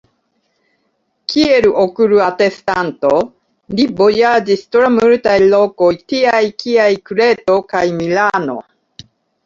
Kiel okul-atestanto, li vojaĝis tra multaj lokoj tiaj kiaj Kreto kaj Milano.